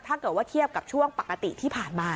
ถ้าเกิดว่าเทียบกับช่วงปกติที่ผ่านมา